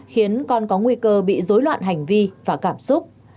khiến con có nguy cơ bị dối loạn hành vi và cảm xúc